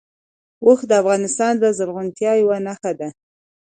اوښ د افغانستان د زرغونتیا یوه نښه ده.